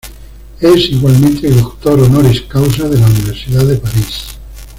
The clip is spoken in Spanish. Es igualmente doctor honoris causa de la Universidad de París.